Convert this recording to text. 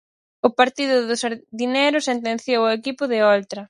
O partido do Sardinero sentenciou ao equipo de Oltra.